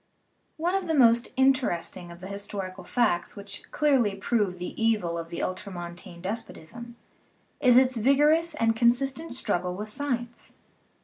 One of the most interesting of the historical facts which clearly prove the evil of the ultramontane des potism is its vigorous and consistent struggle with sci ence.